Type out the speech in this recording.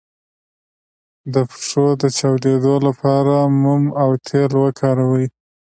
د پښو د چاودیدو لپاره موم او تېل وکاروئ